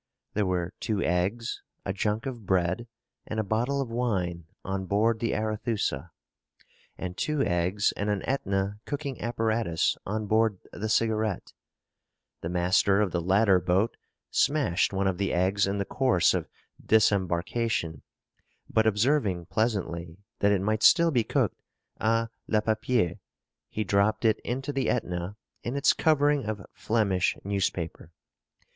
There were two eggs, a junk of bread, and a bottle of wine on board the Arethusa; and two eggs and an Etna cooking apparatus on board the Cigarette. The master of the latter boat smashed one of the eggs in the course of disembarkation; but observing pleasantly that it might still be cooked à la papier, he dropped it into the Etna, in its covering of Flemish newspaper.